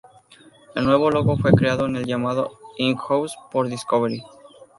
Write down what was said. El nuevo logo fue creado en el llamado in-house por Discovery.